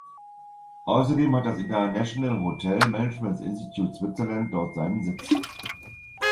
Ausserdem hat das International Hotel Management Institute Switzerland dort seinen Sitz.